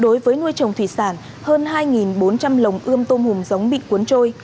đối với nuôi trồng thủy sản hơn hai bốn trăm linh lồng ươm tôm hùm giống bị cuốn trôi